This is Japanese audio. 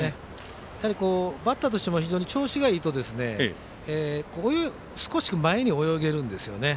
やはり、バッターとしても非常に調子がいいと少し前に泳げるんですね。